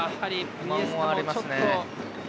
不満もありますね。